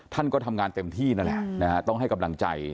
ท่านก็ทำงานเต็มที่นั่นแหละนะฮะต้องให้กำลังใจ